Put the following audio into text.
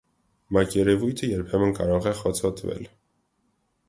Մակերևույթը երբեմն կարող է խոցոտվել։